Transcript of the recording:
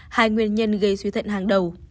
hai nguyên nhân gây suy thuận hàng đầu